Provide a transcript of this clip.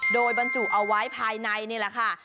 โดยบรรจุเอาไว้ภายในนี่แหละค่ะ